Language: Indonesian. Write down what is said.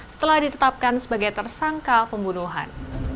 setelah ditetapkan sebagai tersangka pembunuhan